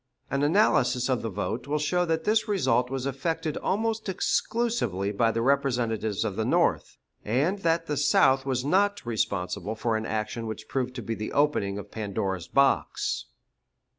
An analysis of the vote will show that this result was effected almost exclusively by the representatives of the North, and that the South was not responsible for an action which proved to be the opening of Pandora's box.